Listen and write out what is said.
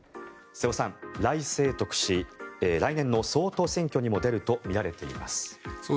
瀬尾さん、頼清徳氏来年の総統選挙にも出るとみられています。